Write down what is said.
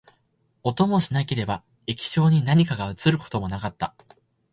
音もしなければ、液晶に何かが写ることもなかった